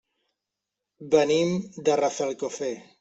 Venim de Rafelcofer.